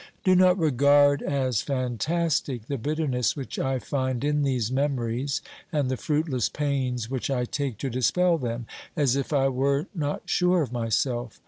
Do not regard as fantastic the bitterness which I find in these memories and the fruitless pains which I take to dispel them, as if I were not sure of myself.